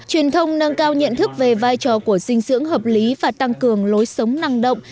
truyền thông nâng cao nhận thức về vai trò của dinh dưỡng hợp lý và tăng cường lối sống năng động